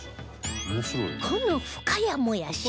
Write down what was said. この深谷もやし